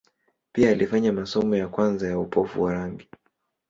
Pia alifanya masomo ya kwanza ya upofu wa rangi.